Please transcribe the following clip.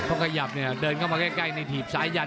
พอขยับเนี่ยเดินเข้ามาใกล้ในถีบซ้ายยัน